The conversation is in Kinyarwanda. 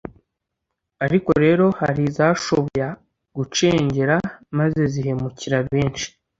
ariko rero hari izashoboya gucengera maze zihemukira benshi.